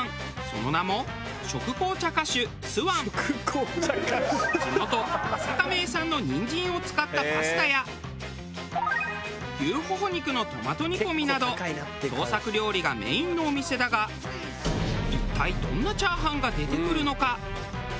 その名も地元朝霞名産のニンジンを使ったパスタや牛ホホ肉のトマト煮込みなど創作料理がメインのお店だが一体どんなチャーハンが出てくるのか？